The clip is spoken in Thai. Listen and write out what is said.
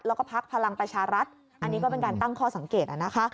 แล้วก็พักพลังประชารัฐอันนี้ก็เป็นการตั้งข้อสังเกตนะคะ